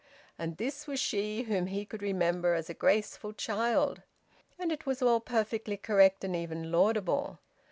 And this was she whom he could remember as a graceful child! And it was all perfectly correct and even laudable!